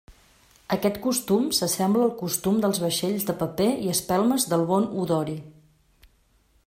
Aquest costum s'assembla al costum dels vaixells de paper i espelmes del Bon Odori.